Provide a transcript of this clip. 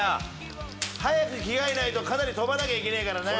早く着替えないとかなり跳ばなきゃいけねえからな。